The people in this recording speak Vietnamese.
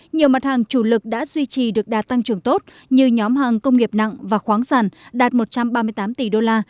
nhiều mặt hàng chủ lực đã duy trì được đạt tăng trưởng tốt như nhóm hàng công nghiệp nặng và khoáng sản đạt một trăm ba mươi tám tỷ đô la